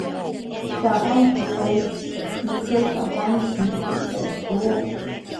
小甘菊为菊科小甘菊属的植物。